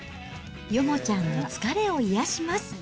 ヨモちゃんの疲れを癒やします。